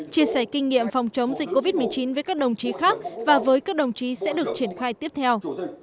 chia sẻ kinh nghiệm phòng chống dịch covid một mươi chín với các đồng chí khác và với các đồng chí sẽ được triển khai tiếp theo